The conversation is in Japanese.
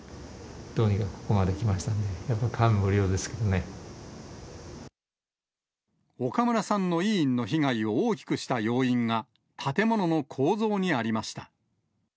どうにかここまで来ましたんで、岡村さんの医院の被害を大きくした要因が、建物の構造にありました。